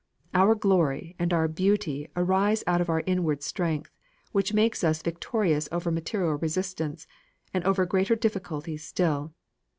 Our glory and our beauty arise out of our outward strength, which makes us victorious over material resistance, and over greater difficulties still.